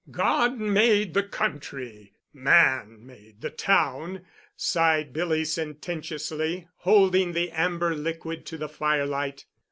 "God made the country—man made the town," sighed Billy sententiously, holding the amber liquid to the firelight.